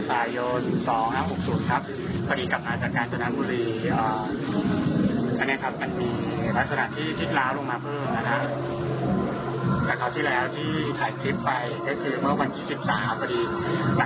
อันนี้เป็นเวลาเที่ยงคืน๔๙นาทีนะครับผม